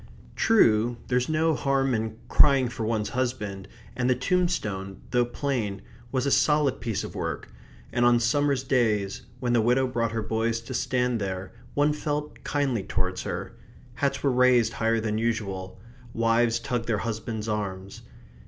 True, there's no harm in crying for one's husband, and the tombstone, though plain, was a solid piece of work, and on summer's days when the widow brought her boys to stand there one felt kindly towards her. Hats were raised higher than usual; wives tugged their husbands' arms.